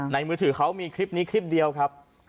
มือถือเขามีคลิปนี้คลิปเดียวครับ